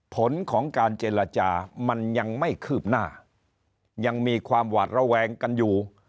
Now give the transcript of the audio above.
ผลของการเจรจามันยังไม่คืบหน้ายังมีความหวาดระแวงกันอยู่